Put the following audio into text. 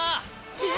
え！